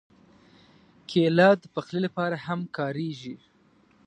کېله د پخلي لپاره هم کارېږي.